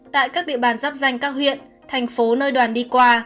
tại các địa bàn dắp danh các huyện thành phố nơi đoàn đi qua